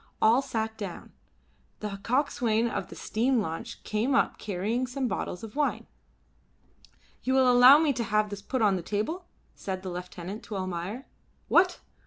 All sat down. The coxswain of the steam launch came up carrying some bottles of wine. "You will allow me to have this put upon the table?" said the lieutenant to Almayer. "What!